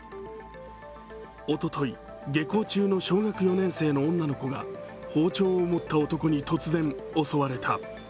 おととい、下校中の小学４年生の女の子が包丁を持った男に突然、襲われた。